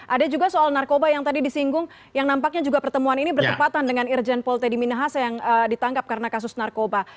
ada juga soal narkoba yang tadi disinggung yang nampaknya juga pertemuan ini bertepatan dengan irjen polted minahasa yang ditangkap karena kasus narkoba